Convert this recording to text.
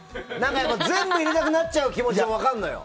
全部入れたくなっちゃう気持ちも分かるのよ。